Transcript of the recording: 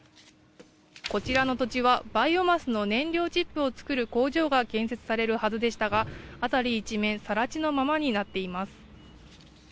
こちらの土地はバイオマスの燃料チップを作る工場が建設されるはずでしたが辺り一面更地のままになっています。